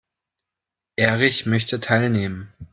Erich möchte teilnehmen.